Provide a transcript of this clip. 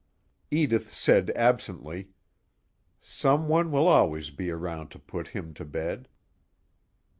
Edith said absently: "Someone will always be around to put him to bed."